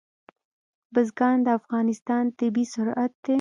بزګان د افغانستان طبعي ثروت دی.